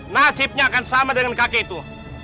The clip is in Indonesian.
nasibnya akan sama dengan kakek itu